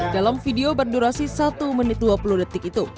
dalam video berdurasi satu menit dua puluh detik itu